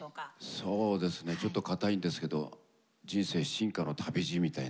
そうですねちょっと堅いんですけど「人生進化の旅路」みたいな。